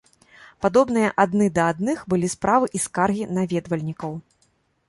Падобныя адны да адных былі справы і скаргі наведвальнікаў.